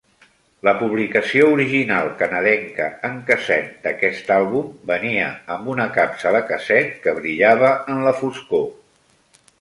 La publicació original canadenca en casset d'aquest àlbum venia amb una capsa de casset que brillava en la foscor.